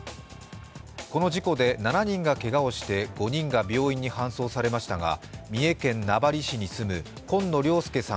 この事故で７人がけがをして、５人が病院に搬送されましたが三重県名張市に住む紺野良介さん